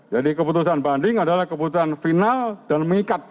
jadi keputusan banding adalah keputusan final dan mengikat